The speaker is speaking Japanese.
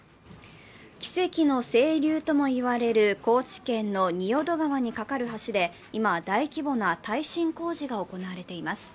奇跡の清流とも言われる高知県の仁淀川にかかる橋で今、大規模な耐震工事が行われています。